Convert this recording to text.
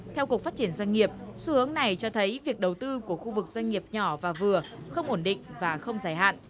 theo cục phát triển doanh nghiệp xu hướng này cho thấy việc đầu tư của khu vực doanh nghiệp nhỏ và vừa không ổn định và không dài hạn